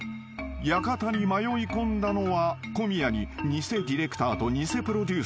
［館に迷いこんだのは小宮に偽ディレクターと偽プロデューサー］